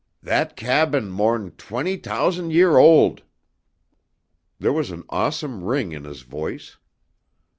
"That cabin more'n' twent' t'ous'nd year old!" There was an awesome ring in his voice.